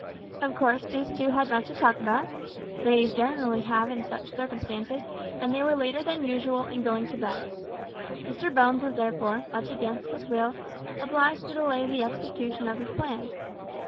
Of course these two had much to talk about ladies generally have in such circumstances and they were later than usual in going to bed. Mr Bones was therefore, much against his will, obliged to delay the execution of his plans.